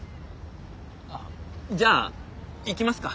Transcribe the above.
じゃあ行きますか。